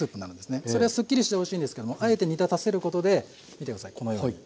それはすっきりしておいしいんですけどもあえて煮立たせることで見て下さいこのように。